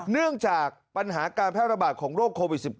เนื่องจากปัญหาการแพร่ระบาดของโรคโควิด๑๙